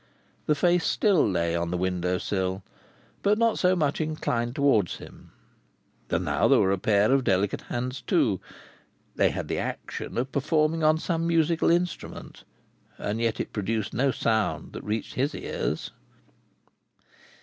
The face still lay on the window sill, but not so much inclined towards him. And now there were a pair of delicate hands too. They had the action of performing on some musical instrument, and yet it produced no sound that reached his ears.